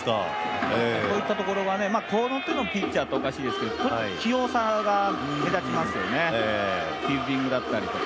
そういったところがこの手のピッチャーっていうのはおかしいですけど器用さが目立ちますよね。